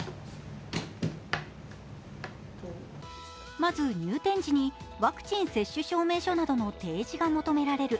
まず、入店時にワクチン接種証明書などの提示が求められる。